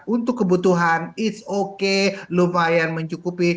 untuk kebutuhan it's okay lumayan mencukupi